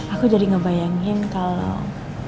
aku jadi ngebayangin kalau